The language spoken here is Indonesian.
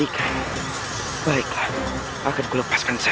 matilah kau sorowisesa